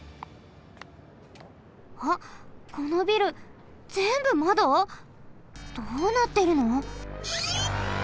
あっこのビルぜんぶまど！？どうなってるの？